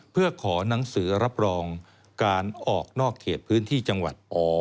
เพื่อขอหนังสือรับรองการออกนอกเขตพื้นที่จังหวัดอ